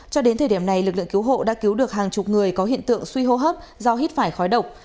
cho đến thời điểm này lực lượng cứu hộ đã cứu được hàng chục người có hiện tượng suy hô hấp do hít phải khói độc